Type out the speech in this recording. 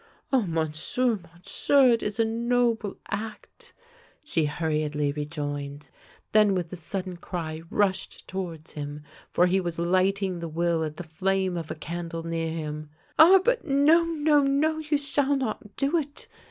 " Ah, Monsieur, Monsieur, it is a noble act," she hurriedly rejoined, then with a sudden cry rushed to wards him, for he was lighting the will at the flame of a candle near him. " Ah, but no, no, no, you shall not do it!